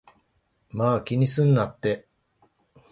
まぁ、気にすんなって